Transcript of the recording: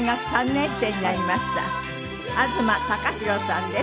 東貴博さんです。